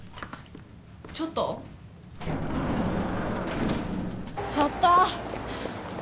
ちょっとちょっと！